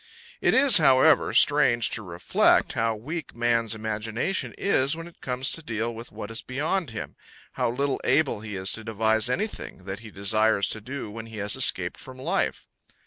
It is, however, strange to reflect how weak man's imagination is when it comes to deal with what is beyond him, how little able he is to devise anything that he desires to do when he has escaped from life.